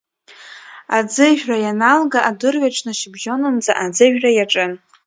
Аӡыжәра ианалга адырҩаҽны шьыбжьонынӡа аӡыжәра иаҿын.